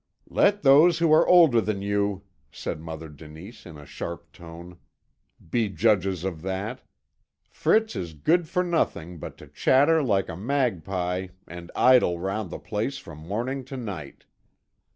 "Let those who are older than you," said Mother Denise, in a sharp tone, "be judges of that. Fritz is good for nothing but to chatter like a magpie and idle round the place from morning to night.